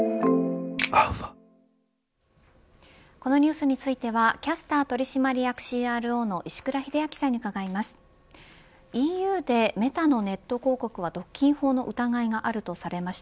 このニュースについてはキャスター取締役ＣＲＯの石倉秀明さんに伺います。